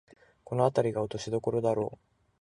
このあたりが落としどころだろう